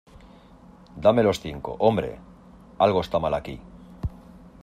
¡ Dame los cinco, hombre! Algo está mal aquí.